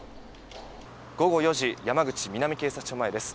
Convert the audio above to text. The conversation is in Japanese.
午後４時山口南警察署前です。